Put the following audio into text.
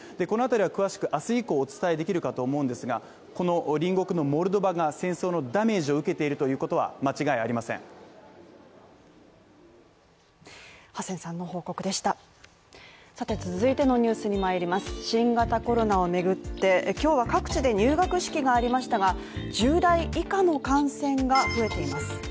この辺りは詳しく明日以降、お伝えできるかと思うんですが、この隣国のモルドバが戦争のダメージを受けていることは間違いありません新型コロナを巡って今日は各地で入学式がありましたが１０代以下の感染が増えています。